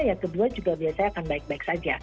yang kedua juga biasanya akan baik baik saja